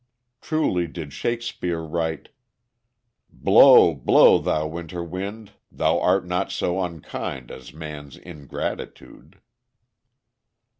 Truly did Shakspere write: "Blow, blow, thou winter wind, Thou art not so unkind As man's ingratitude!"